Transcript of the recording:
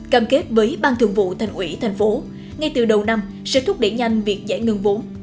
cam kết với ban thường vụ thành ủy thành phố ngay từ đầu năm sẽ thúc đẩy nhanh việc giải ngân vốn